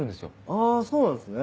あそうなんですね。